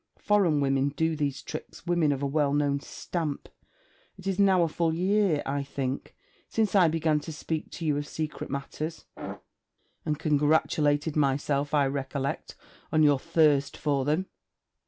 Foreign women do these tricks... women of a well known stamp. It is now a full year, I think, since I began to speak to you of secret matters and congratulated myself, I recollect, on your thirst for them.'